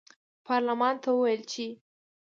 پارلمان ته وویل چې